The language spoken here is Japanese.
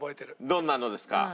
どんなのですか？